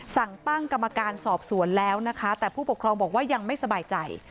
สั่งตั้งกรรมการสอบสวนแล้วนะคะแต่ผู้ปกครองบอกว่ายังไม่สบายใจ